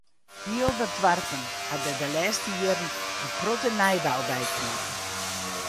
Hiel wat doarpen ha der de lêste jierren in protte nijbou by krige.